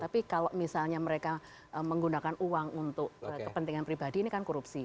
tapi kalau misalnya mereka menggunakan uang untuk kepentingan pribadi ini kan korupsi